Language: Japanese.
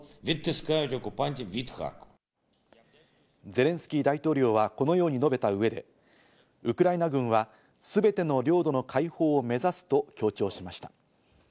ゼレンスキー大統領はこのように述べた上で、ウクライナ軍はすべての領土の解放を目指すと強調しました。